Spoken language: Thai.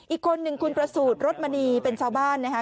อีกคนหนึ่งคุณประสูจน์รถมณีเป็นชาวบ้านนะคะ